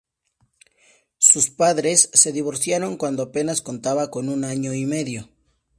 Sus padres se divorciaron cuando apenas contaba con un año y medio.